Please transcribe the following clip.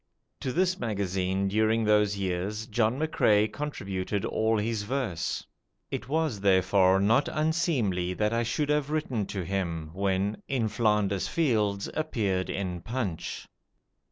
To this magazine during those years John McCrae contributed all his verse. It was therefore not unseemly that I should have written to him, when "In Flanders Fields" appeared in 'Punch'.